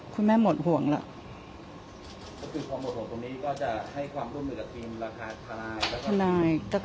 คุณแม่หมดห่วงล่ะก็คือพอหมดห่วงตรงนี้ก็จะให้ความร่วมหนึ่งกับทีมราคาธารายธาราย